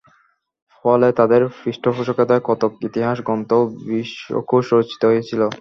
ফলে তাঁদের পৃষ্ঠপোষকতায় কতক ইতিহাস গ্রন্থ ও বিশ্বকোষ রচিত হয়েছিল।